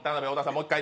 もう一回。